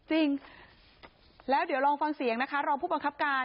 เราเดี๋ยวลองฟังเสียงนะคะแล้วลองผู้บังคับการ